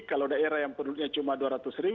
kalau daerah yang penduduknya cuma dua ratus ribu